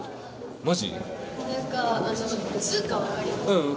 マジ？